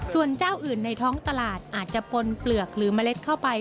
ส่วนเจ้าอื่นในท้องตลาดอาจจะปนเปลือกหรือเมล็ดเข้าไป